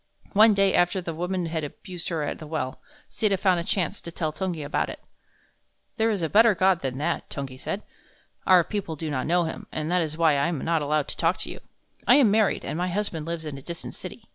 One day after the woman had abused her at the well, Sita found a chance to tell Tungi about it. "There is a better God than that," Tungi said. "Our people do not know him, and that is why I am not allowed to talk with you. I am married, and my husband lives in a distant city.